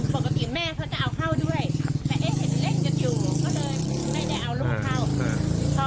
ปกติแม่เขาจะเอาเข้าด้วยแต่เอ๊ะเห็นเล่นกันอยู่ก็เลยไม่ได้เอาลูกเข้า